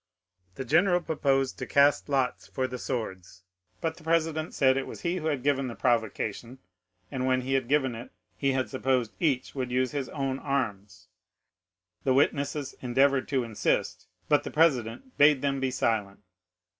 The general proposed to cast lots for the swords, but the president said it was he who had given the provocation, and when he had given it he had supposed each would use his own arms. The witnesses endeavored to insist, but the president bade them be silent.